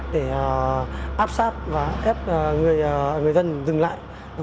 để áp sáp và ép người dân dừng lại